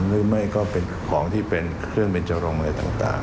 หรือไม่ก็เป็นของที่เป็นเครื่องเบนจรงอะไรต่าง